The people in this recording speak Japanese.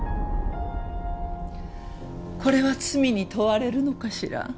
これは罪に問われるのかしら？